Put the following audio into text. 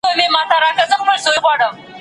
ته به مي شړې خو له ازل سره به څه کوو؟